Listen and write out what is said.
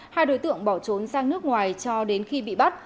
hai đối tượng bỏ trốn sang nước ngoài cho đến khi bị bắt